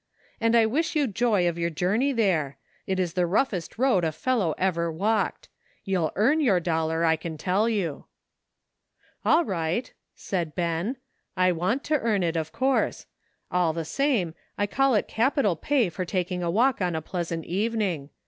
And I wish you joy of your journey there ; it is the roughest road a fellow ever walked. You'll earn your dollar, I can tell you." " All right," said Ben ; "I want to earn it, of course. All the same, I call it capital pay for taking a walk on a pleasant evening.